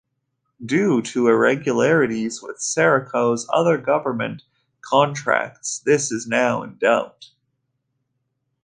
Due to irregularities with Serco's other government contracts this is now in doubt.